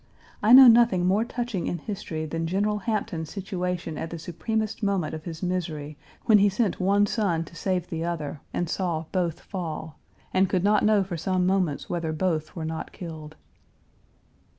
I know nothing more touching in history than General Hampton's situation at the supremest moment of his misery, when he sent one son to save the other and saw Page 333 both fall; and could not know for some moments whether both were not killed."